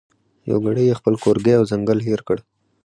یو ګړی یې خپل کورګی او ځنګل هېر کړ